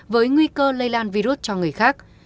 với nguy cơ lây lan virus cho người khác